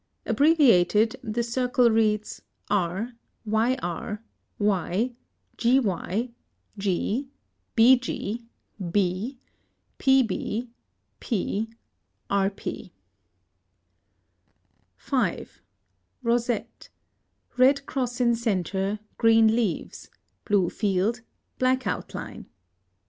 Abbreviated, the circle reads R, YR, Y, GY, G, BG, B, PB, P, RP. 5. Rosette. Red cross in centre, green leaves: blue field, black outline.